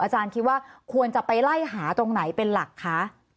อาจารย์คิดว่าควรจะไปไล่หาตรงไหนเป็นหลักคะ